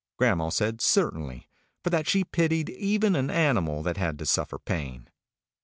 Grandma said, certainly, for that she pitied even an animal that had to suffer pain.